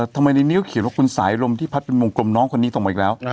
ทำไมในนิ้วเขียนว่าคุณสายลมที่พัดเป็นวงกลมน้องคนนี้ส่งมาอีกแล้ว